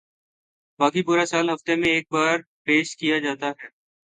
باقی پورا سال ہفتے میں ایک بار پیش کیا جاتا ہے